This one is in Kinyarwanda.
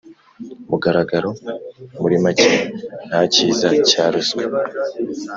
mugaragaro. Muri make nta kiza cya ruswa.